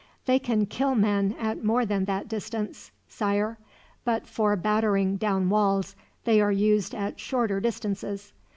"They can kill men at more than that distance, Sire, but for battering down walls they are used at shorter distances.